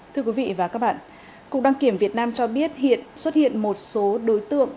thưa quý vị và các bạn cục đăng kiểm việt nam cho biết hiện xuất hiện một số đối tượng